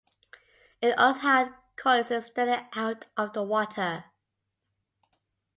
It also had coils extending out of the water.